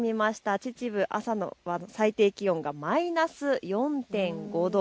秩父、朝の最低気温がマイナス４．５度。